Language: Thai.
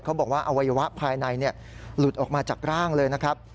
บอกว่าอวัยวะภายในหลุดออกมาจากร่างเลยนะครับ